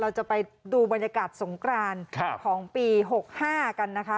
เราจะไปดูบรรยากาศสงครานครับของปีหกห้ากันนะคะ